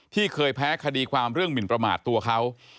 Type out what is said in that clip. ที่เคยแพ้คดีความเรื่องหมินประมาทตัวเขา